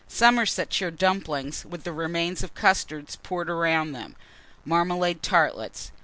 Somersetshire dumplings with the remains of custards poured round them; marmalade tartlets.